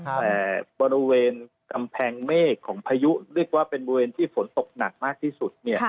แต่บริเวณกำแพงเมฆของพายุเรียกว่าเป็นบริเวณที่ฝนตกหนักมากที่สุดเนี่ย